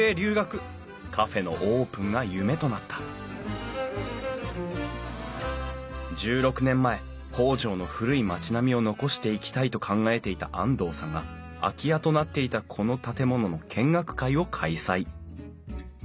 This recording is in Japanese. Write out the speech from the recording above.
カフェのオープンが夢となった１６年前北条の古い町並みを残していきたいと考えていた安藤さんが空き家となっていたこの建物の見学会を開催。